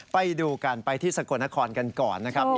ไปดูกันไปที่สกลนครกันก่อนนะครับ